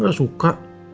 aku gak suka